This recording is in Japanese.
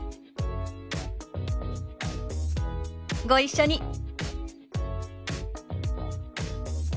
ご一緒に。